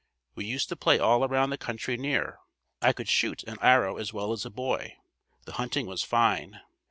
We used to play all around the country near. I could shoot an arrow as well as a boy. The hunting was fine.